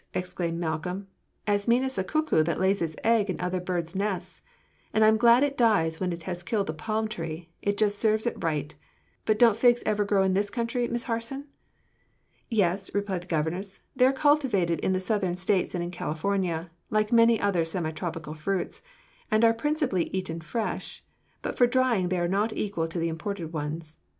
exclaimed Malcolm "as mean as the cuckoo, that lays its eggs in other birds' nests. And I'm glad it dies when it has killed the palm tree; it just serves it right. But don't figs ever grow in this country, Miss Harson?" "Yes," replied his governess; "they are cultivated in the Southern States and in California, like many other semi tropical fruits, and are principally eaten fresh, but for drying they are not equal to the imported ones.